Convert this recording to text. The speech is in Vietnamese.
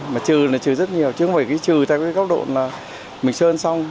mà trừ là trừ rất nhiều chứ không phải trừ theo cái góc độ là mình sơn xong